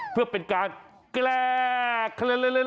เพื่อเป็นการแกรก